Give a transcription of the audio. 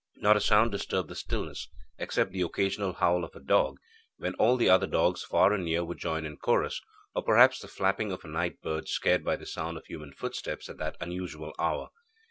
Not a sound disturbed the stillness, except the occasional howl of a dog, when all the other dogs far and near would join in chorus, or perhaps the flapping of a night bird, scared by the sound of human footsteps at that unusual hour.